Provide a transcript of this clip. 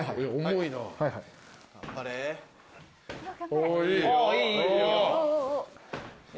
おおいい。